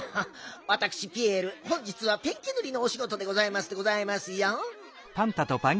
わたくしピエール本日はペンキぬりのおしごとでございますでございますよ。